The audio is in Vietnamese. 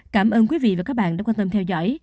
cảm ơn quý vị và các bạn đã quan tâm theo dõi